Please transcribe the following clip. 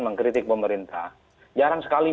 mengkritik pemerintah jarang sekali